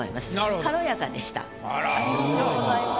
ありがとうございます。